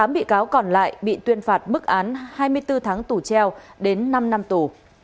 tám bị cáo còn lại bị tuyên phạt mức án hai mươi bốn tháng tù treo đến năm năm tù